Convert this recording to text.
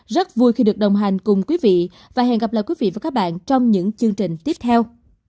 rất vui khi được đồng hành cùng quý vị và hẹn gặp lại quý vị và các bạn trong những chương trình tiếp theo